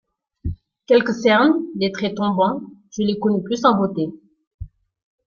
Quelques cernes, les traits tombants: je l’ai connu plus en beauté.